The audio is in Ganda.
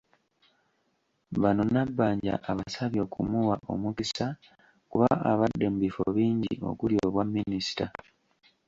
Bano Nabbanja abasabye okumuwa omukisa kuba abadde mu bifo bingi okuli obwaminisita